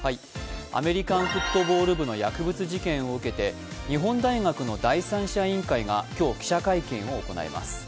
アメリカンフットボール部の薬物事件を受けて、日本大学の第三者委員会が今日記者会見を行います。